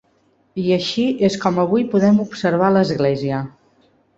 I així és com avui podem observar l'església.